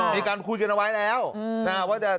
มีการคุยกันเอาไว้แล้วอืมนะครับว่าจะ